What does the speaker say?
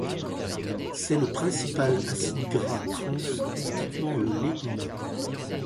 C'est le principal acide gras trans constituant le lait humain.